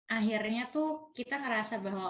akhirnya tuh kita ngerasa bahwa